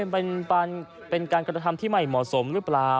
เฮ้เป็นการกระต่อธรรมที่ไม่เหมาะสมหรือเปล่า